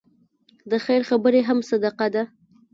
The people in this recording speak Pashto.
د خیر خبرې هم صدقه ده.